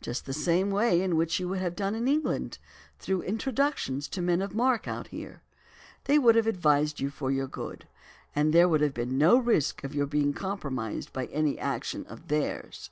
"Just the same way in which you would have done in England, through introductions to men of mark out here. They would have advised you for your good. And there would have been no risk of your being compromised by any action of theirs."